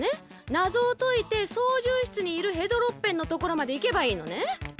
なぞをといてそうじゅう室にいるヘドロッペンのところまでいけばいいのね。